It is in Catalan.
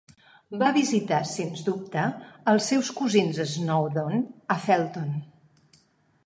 Va visitar, sens dubte, els seus cosins Snowdon a Felton.